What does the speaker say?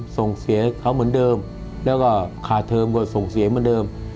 ส่งเสียเขาเหมือนเดิม